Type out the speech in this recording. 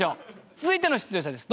続いての出場者です。